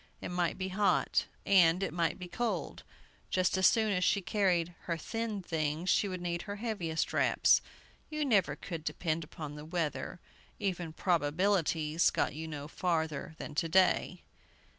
It might be hot, and it might be cold. Just as soon as she carried her thin things, she would need her heaviest wraps. You never could depend upon the weather. Even "Probabilities" got you no farther than to day.